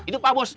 itu pak bos